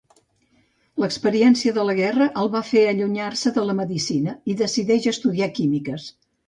L'experiència de la guerra el var fer allunyar-se de la medicina i decideix estudiar Químiques.